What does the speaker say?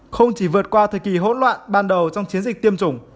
không chỉ vượt qua thời kỳ hỗn loạn ban đầu trong chiến dịch tiêm chủng